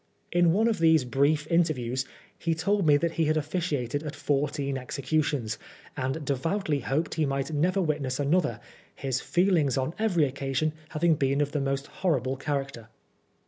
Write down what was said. In one of these brief inter views he told me that he had officiated at fourteen executions, and devoutly hoped he might never witness another, his feelings on every occasion having been of the most horrible character.